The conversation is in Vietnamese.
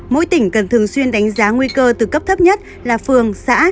mỗi tỉnh cần thường xuyên đánh giá nguy cơ từ cấp thấp nhất là phường xã